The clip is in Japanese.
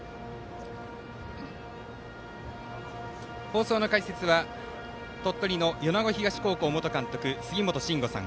放送の解説は鳥取の米子東高校元監督杉本真吾さん。